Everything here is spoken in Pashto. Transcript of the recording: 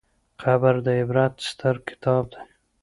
قبر د عبرت ستر کتاب دی.